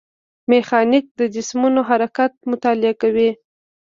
میخانیک د جسمونو حرکت مطالعه کوي.